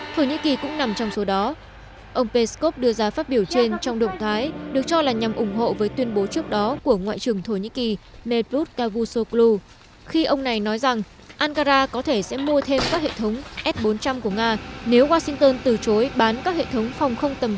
thổ nhĩ kỳ cũng nằm trong số đó ông peskov đưa ra phát biểu trên trong động thái được cho là nhằm ủng hộ với tuyên bố trước đó của ngoại trưởng thổ nhĩ kỳ medvud cavusoglu khi ông này nói rằng ankara có thể sẽ mua thêm các hệ thống s bốn trăm linh của nga nếu washington từ chối bán các hệ thống